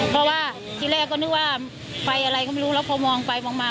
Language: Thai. เพราะว่าที่แรกก็นึกว่าไฟอะไรก็ไม่รู้แล้วพอมองไปมองมา